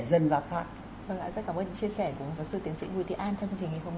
vâng ạ rất cảm ơn chia sẻ cùng giáo sư tiến sĩ nguyễn thị an trong chương trình hôm nay